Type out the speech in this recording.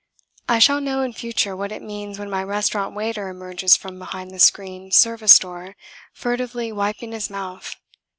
I shall know in future what it means when my restaurant waiter emerges from behind the screened service door furtively wiping his mouth.